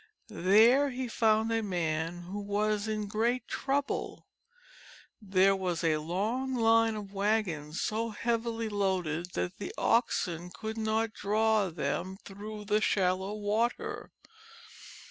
There he found a man who was in great trouble. There was a long line of wagons so heavily loaded that the oxen could not draw them through the shal low water.